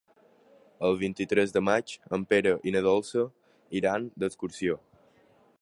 El vint-i-tres de maig en Pere i na Dolça iran d'excursió.